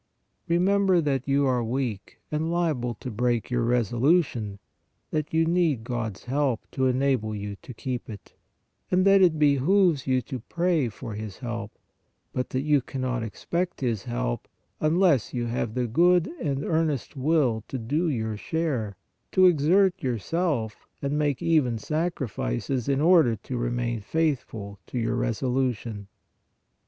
Remember that you are weak and liable to break your resolution, that you need God s help to enable you to keep it, and that it behooves you to pray for His help, but that you cannot expect His help unless you have the good and earnest will to do your share, to exert yourself and make even sacrifices in order to remain faithful to your reso lution.